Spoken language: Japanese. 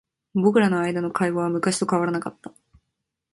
僕らの間の会話は昔と変わらなかった。